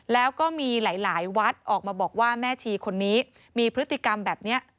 แล้วก็มีหลายวัดออกมาบอกว่าแม่ชีคนนี้มีพฤติกรรมแบบนี้